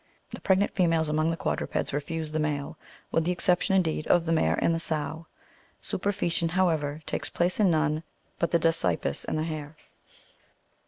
The pregnant females, among the quadrupeds, refuse the male, with the exception, indeed, of the mare and the spw ; superfcetation, however, takes place in none but the dasypus and the hare.